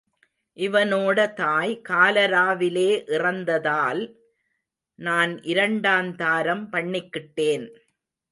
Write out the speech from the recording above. இவனோட தாய் காலராவிலே இறந்த தால், நான் இரண்டாந்தாரம் பண்ணிக்கிட்டேன்.